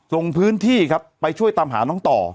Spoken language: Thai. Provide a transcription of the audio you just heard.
ลงพื้นที่ครับไปช่วยตามหาน้องต่อ